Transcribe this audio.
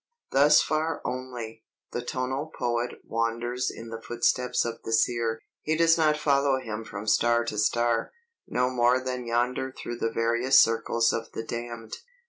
Thus far only, the tonal poet wanders in the footsteps of the seer; he does not follow him from star to star, no more than yonder through the various circles of the damned.